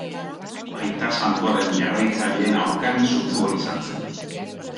Aita Santuaren jarraitzaileen aurkari sutsua izan zen.